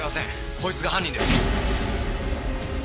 こいつが犯人です。